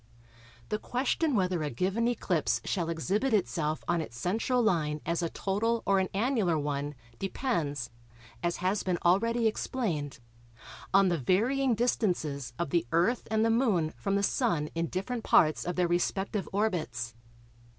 The question whether a given eclipse shall exhibit itself on its central line as a total or an annular one depends, as has been already explained, on the varying distances of the Earth and the Moon from the Sun in different parts of their respective orbits.